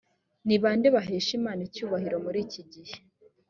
ni bande bahesha imana icyubahiro muri iki gihe.